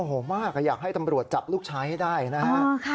โอ้โหมากอยากให้ตำรวจจับลูกชายให้ได้นะฮะ